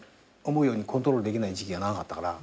思うようにコントロールできない時期が長かった。